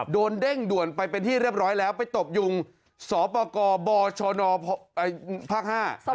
เร่งด่วนไปเป็นที่เรียบร้อยแล้วไปตบยุงสปกบชนภาคห้า